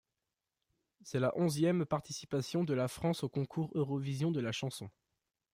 C'est la onzième participation de la France au Concours Eurovision de la chanson.